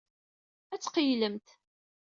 Ad tqeyylemt.